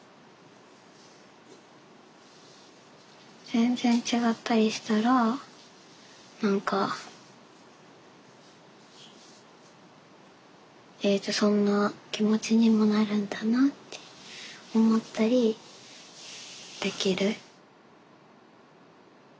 全然違ったりしたら何かそんな気持ちにもなるんだなって思ったりできる。